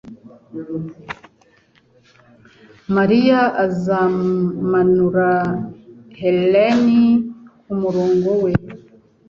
Mariya azamanura Helen kumurongo we